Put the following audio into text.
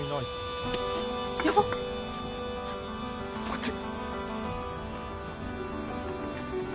こっち。